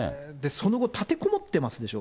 その後、立てこもってますでしょ。